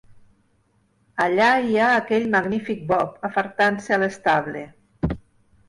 Allà hi ha aquell magnífic Bob, afartant-se a l'estable.